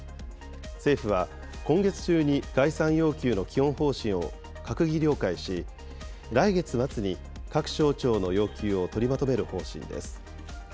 政府は今月中に概算要求の基本方針を閣議了解し、来月末に各省庁の要求を取りまとめる方針です。